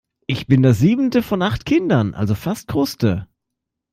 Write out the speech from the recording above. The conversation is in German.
Ich bin das siebente von acht Kindern, also fast Kruste.